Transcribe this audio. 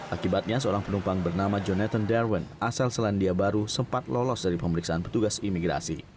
akibatnya seorang penumpang bernama jonathan darwin asal selandia baru sempat lolos dari pemeriksaan petugas imigrasi